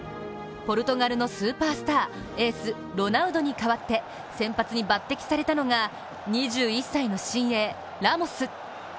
ポルトガルのスーパースターエース・ロナウドに代わって先発に抜てきされたのが２１歳の新鋭・ラモス。